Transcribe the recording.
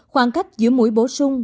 khoảng cách giữa mũi bổ sung